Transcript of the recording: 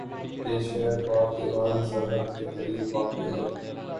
یہ شہر پاک ایران سرحد کے قریب واقع ہے